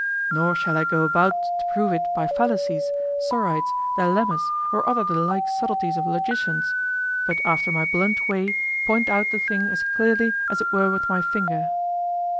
Nor shall I go about to prove it by fallacies, sorites, dilemmas, or other the like subtleties of logicians, but after my blunt way point out the thing as clearly as it were with my finger.